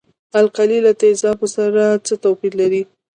القلي له تیزابو سره څه توپیر لري.